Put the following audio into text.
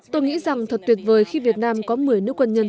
tôi nghĩ rằng thật tuyệt vời khi việt nam có một mươi nữ quân nhân